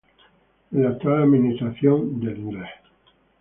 En la actual administración del Ing.